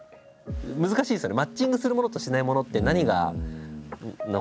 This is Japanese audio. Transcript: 難しいですよね。